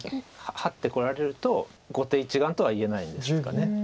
ハッてこられると後手１眼とはいえないんですか。